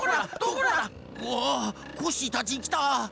わあコッシーたちきた！